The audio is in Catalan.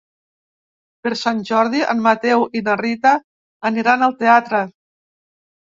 Per Sant Jordi en Mateu i na Rita aniran al teatre.